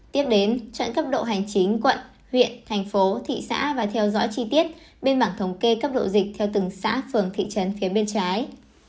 tiếp đến chọn cấp độ hành chính quận huyện thành phố thị xã và theo dõi chi tiết bên mảng thống kê cấp độ dịch theo từng xã phường thị trấn phía bên trái